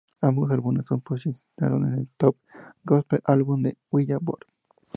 Ambos álbumes se posicionaron en el "Top Gospel Albums" de "Billboard".